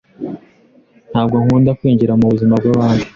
Ntabwo nkunda kwinjira mu buzima bw’abandi